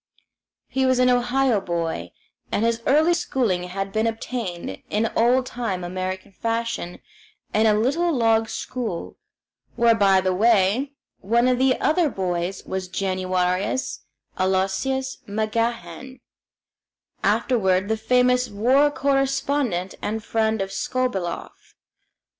He was an Ohio boy, and his early schooling had been obtained in old time American fashion in a little log school; where, by the way, one of the other boys was Januarius Aloysius MacGahan, afterward the famous war correspondent and friend of Skobeloff.